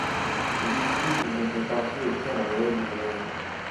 L'équipe russe dont elle fait partie obtient la médaille de bronze.